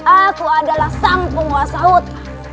aku adalah sang penguasa hut